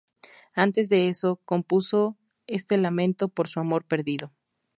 Antes de eso, compuso este lamento por su amor perdido.